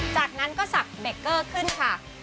จากนั้นก็สับเบเกอร์ขึ้นค่ะ